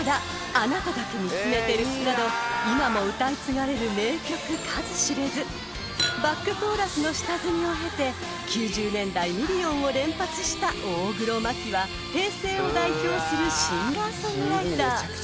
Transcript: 『あなただけ見つめてる』など今も歌い継がれる名曲数知れずバックコーラスの下積みを経て９０年代ミリオンを連発した大黒摩季は平成を代表するシンガー・ソングライター］